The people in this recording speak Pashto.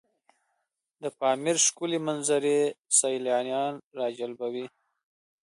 د پامیر ښکلي منظرې سیلانیان راجلبوي.